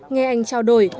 nghe anh trao đổi